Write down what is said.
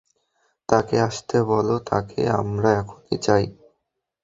তাকে আসতে বল, তাকে আমার এক্ষুণি চাই।